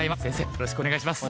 よろしくお願いします。